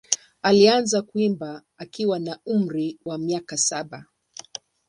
Alianza kuimba akiwa na umri wa miaka saba.